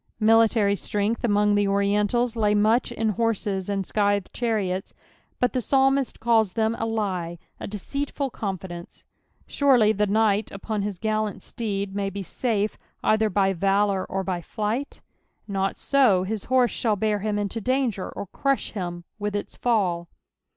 (Military strength among the Oriental!) lay much in horses and scjthcd chtiiiots^ut tlie psalmist calls tfiem a lie, a deceitful confidence J Surely tile knight upon his gallant steed may be Mie, cither by valour or Ty flight ! Not so, his horse shall bear bim into dHnser or crush him with its fall.